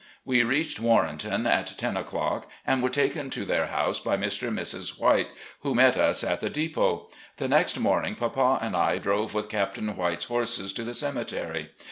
We reached Warrenton at ten o'clock and were taken to their house by Mr. and Mrs. White, who met us at the depot. The next morning papa and I drove with Captain White's horses to the cemetery.